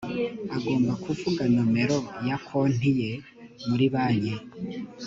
agomba kuvuga nomero ya konti ye muri banki